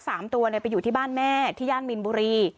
สามตัวเนี่ยไปอยู่ที่บ้านแม่ที่ย่านมีนบุรี